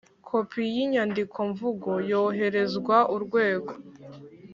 Kopi y inyandikomvugo yohererezwa Urwego